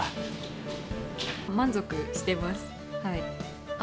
満足してます。